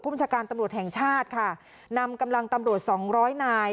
ผู้มีชาการตำรวจแห่งชาตินำกำลังตำรวจ๒๐๐นาย